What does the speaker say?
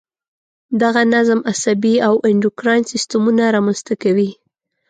دغه نظم عصبي او انډوکراین سیستمونه را منځته کوي.